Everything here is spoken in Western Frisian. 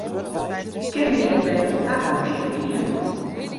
Kinne wy net better takom wike gean?